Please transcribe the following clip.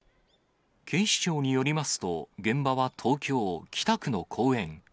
警視庁によりますと、現場は東京・北区の公園。